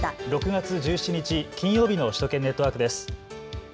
６月１７日、金曜日の首都圏ネットワークです。